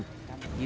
di lokasi ini